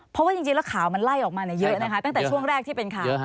เพราะว่าจริงแล้วข่าวมันไล่ออกมาเยอะนะคะตั้งแต่ช่วงแรกที่เป็นข่าว